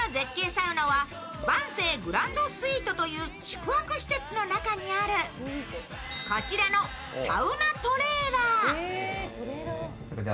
サウナは晩成グランドスイートという宿泊施設の中にある、こちらのサウナトレーラー。